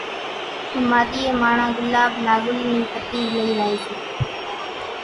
ۿماۮيئين ماڻۿان ڳلاٻ نا ڳُل نِي پتِي لئِي زائي سي،